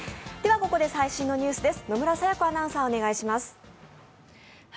ここで最新のニュースです。